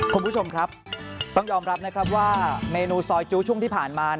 คุณผู้ชมครับต้องยอมรับนะครับว่าเมนูซอยจู้ช่วงที่ผ่านมา